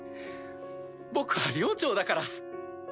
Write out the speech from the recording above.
僕は寮長だから。